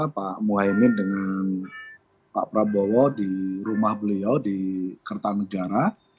pak muhaymin dengan pak prabowo di rumah beliau di kertanegara